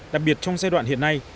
đặc biệt trong giai đoạn hiện nay